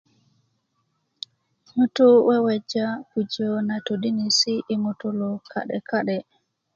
ŋutu' weweja pujo na todinesi yi ŋutulu ka'deka'de